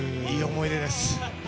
いい思い出です。